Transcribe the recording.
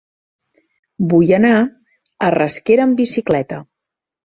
Vull anar a Rasquera amb bicicleta.